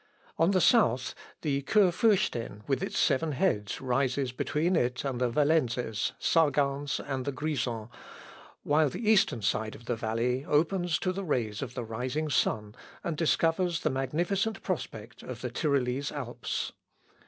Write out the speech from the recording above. On the south, the Kuhfirsten, with its seven heads, rises between it and the Wallenses, Sargans, and the Grisons, while the eastern side of the valley opens to the rays of the rising sun, and discovers the magnificent prospect of the Tyrolese Alps.